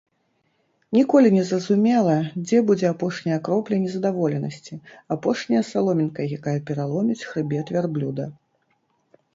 Ніколі не зразумела, дзе будзе апошняя кропля незадаволенасці, апошняя саломінка, якая пераломіць хрыбет вярблюда.